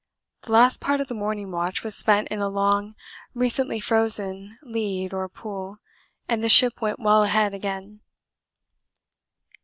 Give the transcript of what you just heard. The last part of the morning watch was spent in a long recently frozen lead or pool, and the ship went well ahead again.